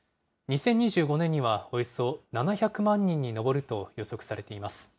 ２０２５年にはおよそ７００万人に上ると予測されています。